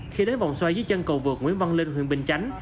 khi đến vòng xoay dưới chân cầu vượt nguyễn văn linh huyện bình chánh